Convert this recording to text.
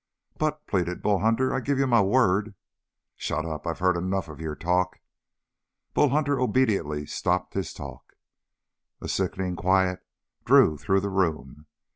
"But," pleaded Bull Hunter, "I give you my word " "Shut up! I've heard enough of your talk." Bull Hunter obediently stopped his talk. A sickening quiet drew through the room.